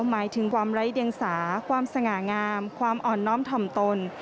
หมายถึงความไร้เดียงสาความสง่างามความอ่อนน้อมถ่อมตน